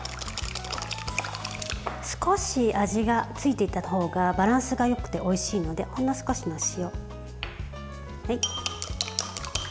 少し味がついていたほうがバランスがよくておいしいのでほんの少しの塩。